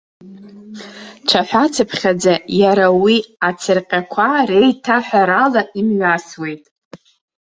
Цәаҳәацыԥхьаӡа иара уи ацырҟьақәа реиҭаҳәарала имҩасуеит.